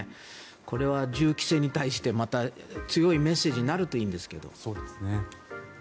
これは銃規制に対してまた強いメッセージになるといいんですけど。